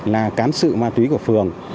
là cán sự ma túy của phường